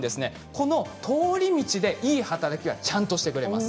この通り道でいい働きはちゃんとしてくれます。